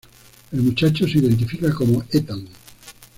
El muchacho se identifica como "Ethan".